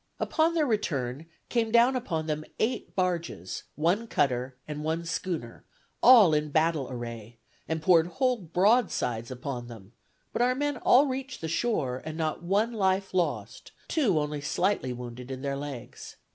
Upon their return, came down upon them eight barges, one cutter, and one schooner, all in battle array, and poured whole broadsides upon them; but our men all reached the shore, and not one life lost, two only slightly wounded in their legs.